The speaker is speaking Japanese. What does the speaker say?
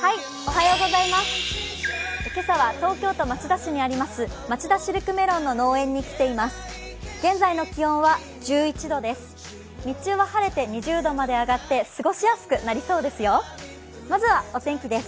今朝は東京都町田市にあるまちだシルクメロンの農園に来ています。